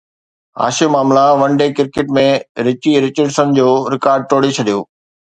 Hashim Amla one day cricket ۾ Richie Richardson جو record ٽوڙي ڇڏيو